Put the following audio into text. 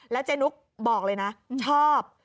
เจ๊นุกบอกเลยนะชอบ